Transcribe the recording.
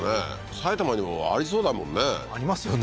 埼玉にもありそうだもんねありますよね